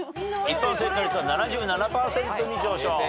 一般正解率は７７％に上昇。